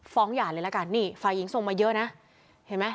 ฟ้องอย่าเลยละกันฝ่ายหญิงส่งมาเยอะนะ